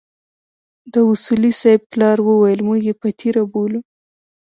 د اصولي صیب پلار وويل موږ يې پتيره بولو.